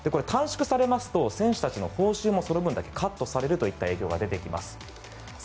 短縮されますと選手たちの報酬もその分だけカットされるという影響が出てきます。